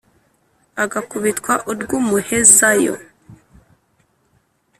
Agakubitwa urw’umuhezayo*,